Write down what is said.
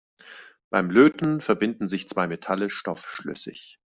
Beim Löten verbinden sich zwei Metalle stoffschlüssig.